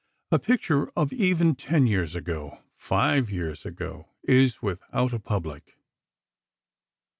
A picture of even ten years ago—five years ago—is without a public.